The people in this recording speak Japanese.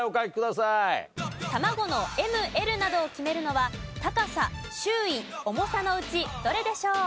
卵の「Ｍ」「Ｌ」などを決めるのは高さ周囲重さのうちどれでしょう？